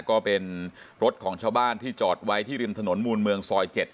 ก็เป็นรถของชาวบ้านที่จอดไว้ที่ริมถนนมูลเมืองซอย๗